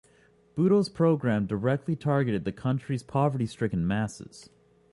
Bhutto's program directly targeted the country's poverty-stricken masses.